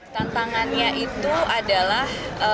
tantangannya itu adalah